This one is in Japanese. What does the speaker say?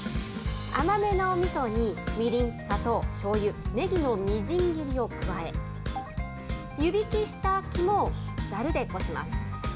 甘めのおみそにみりん、砂糖、しょうゆ、ねぎのみじん切りを加え、湯引きした肝をざるでこします。